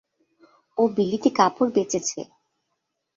ও বিলিতি কাপড় বেচেছে।